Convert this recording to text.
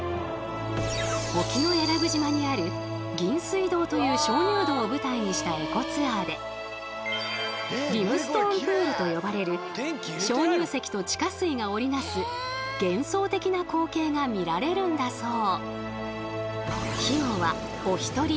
沖永良部島にある銀水洞という鍾乳洞を舞台にしたエコツアーでリムストーンプールと呼ばれる鍾乳石と地下水が織り成す幻想的な光景が見られるんだそう。